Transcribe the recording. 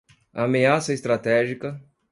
ameaça estratégica